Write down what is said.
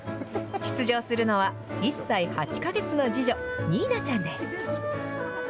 出場するのは、１歳８か月の次女、仁南ちゃんです。